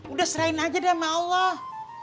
udah serahin aja deh sama allah